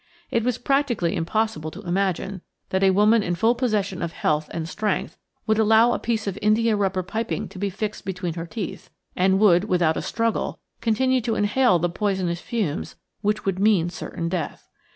It was practically impossible to imagine that a woman in full possession of health and strength would allow a piece of indiarubber piping to be fixed between her teeth, and would, without a struggle, continue to inhale the poisonous fumes which would mean certain death.